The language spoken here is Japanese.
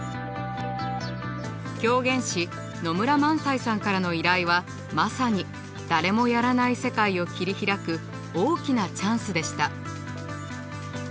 狂言師野村萬斎さんからの依頼はまさに誰もやらない世界を切り開く大きなチャンスでした。